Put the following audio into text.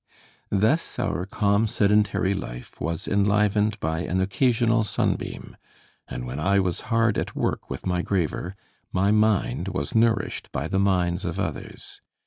Thus our calm sedentary life was enlivened by an occasional sunbeam; and when I was hard at work with my graver, my mind was nourished by the minds of others.